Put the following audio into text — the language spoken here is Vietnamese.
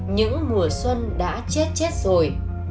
những mùa xuân đã chết chết rồi